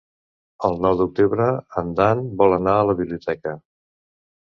El nou d'octubre en Dan vol anar a la biblioteca.